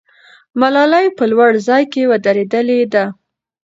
ملالۍ په لوړ ځای کې ودرېدلې ده.